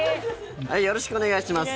よろしくお願いします。